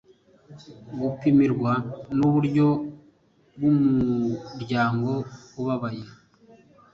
Gupimirwa nuburyo bwumuryango ubabaye